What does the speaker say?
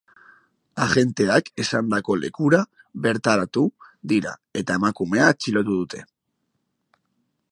Agenteak esandako lekura bertaratu dira, eta emakumea atxilotu dute.